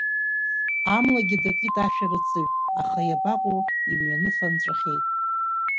Амлагьы дакит ашәарацаҩ, аха иабаҟоу, имҩаныфа нҵәахьеит.